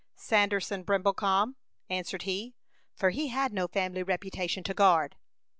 "Sanderson Brimblecom," answered he, for he had no family reputation to guard.